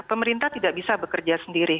pemerintah tidak bisa bekerja sendiri